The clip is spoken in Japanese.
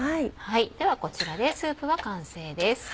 ではこちらでスープは完成です。